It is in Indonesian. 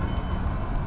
aku mau lihat